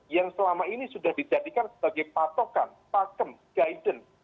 yang selama ini sudah dijadikan sebagai patokan pakem guidance